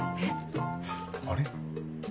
あれ？